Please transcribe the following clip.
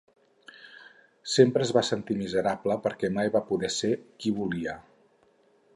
Sempre es va sentir miserable perquè mai va poder ser qui volia.